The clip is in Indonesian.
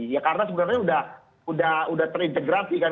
ya karena sebenarnya sudah terintegrasi kan